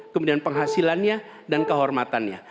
kemudian penghasilannya dan kehormatannya